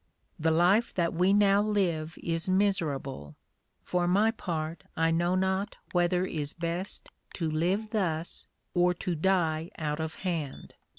The life that we now live is miserable: for my part I know not whether is best, to live thus, or to die out of hand.